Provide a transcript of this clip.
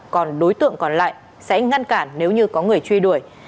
còn đối tượng còn lại sẽ ngăn cản nếu như có người truy đuổi